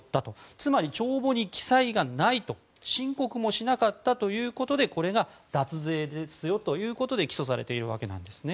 つまり帳簿に記載がない申告もしなかったということでこれが脱税ですよということで起訴されているわけです。